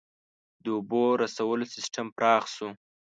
• د اوبو رسولو سیستم پراخ شو.